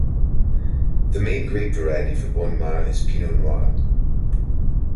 The main grape variety for Bonnes Mares is Pinot Noir.